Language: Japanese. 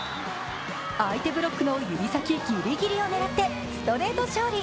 相手ブロックの指先ギリギリを狙ってストレート勝利。